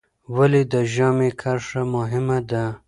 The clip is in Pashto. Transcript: ولې د ژامې کرښه مهمه ده؟